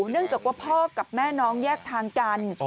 เนื่องจากว่าพ่อกับแม่น้องแยกทางกัน